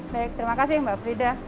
baik terima kasih mbak frida